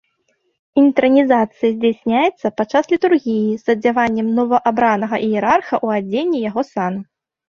Інтранізацыя здзяйсняецца падчас літургіі з адзяваннем новаабранага іерарха ў адзенні яго сану.